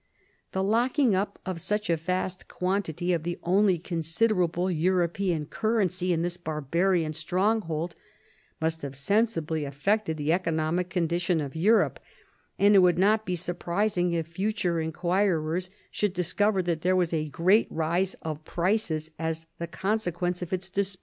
The locking up of such a vast quantity of the only con siderable European currency in this barbarian stronghold must have sensiblv affected the economic condition of Europe, and it would not be surprising if future inquirers should discover that there was a great rise of prices as the consequence of its disper * The solidus was a Byzantine coin worth about $5.